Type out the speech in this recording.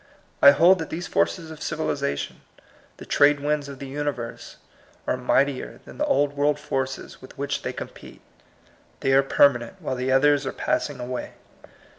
I hold that these forces of civilization — the trade winds of the universe — are mightier than the old world forces with which they com pete. They are permanent, while the others are passing away.